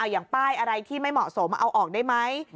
อย่างป้ายอะไรที่ไม่เหมาะสมเอาออกได้ไหม